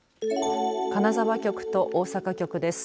金沢局と大阪局です。